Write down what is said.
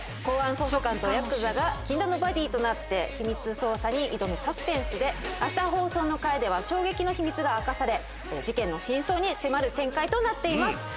公安捜査官とヤクザが禁断のバディとなって秘密捜査に挑むサスペンスで明日放送の回では衝撃の秘密が明かされ事件の真相に迫る展開となっています。